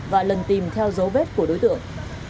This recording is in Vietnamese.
và lần tìm theo dấu vết của đối tượng